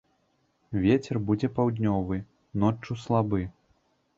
Вецер будзе паўднёвы, ноччу слабы.